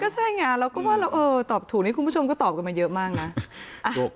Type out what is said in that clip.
ใช่ไงเราก็ว่าเราตอบถูกนี่คุณผู้ชมก็ตอบกันมาเยอะมากนะ